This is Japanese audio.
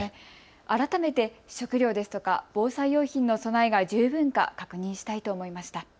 改めて食料ですとか防災用品の備えが十分か確認したいと思いました。